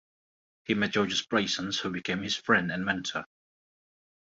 He met Georges Brassens, who became his friend and mentor.